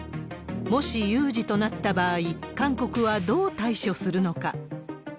もし有事となった場合、韓国はどう対処するのか。